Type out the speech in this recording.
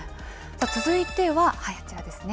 続いてはこちらですね。